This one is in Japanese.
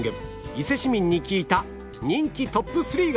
伊勢市民に聞いた人気トップ３が